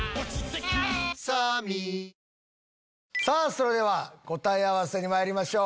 それでは答え合わせにまいりましょう。